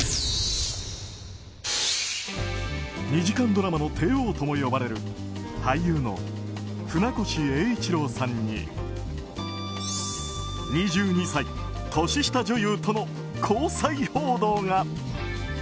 ２時間ドラマの帝王とも呼ばれる俳優の船越英一郎さんに２２歳年下女優との交際報道が。